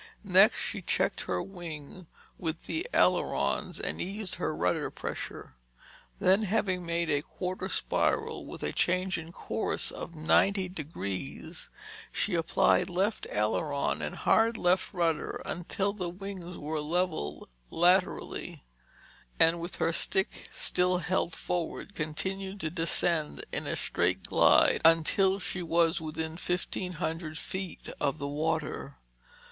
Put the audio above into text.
Next, she checked her wing with the ailerons and eased her rudder pressure. Then having made a quarter spiral with a change in course of 90 degrees, she applied left aileron and hard left rudder until the wings were level laterally, and with her stick still held forward, continued to descend in a straight glide until she was within fifteen hundred feet of the water.